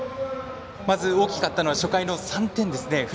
まず大きかったのは初回の３点ですね。